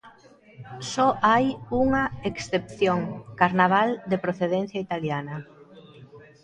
Só hai unha excepción: carnaval, de procedencia italiana.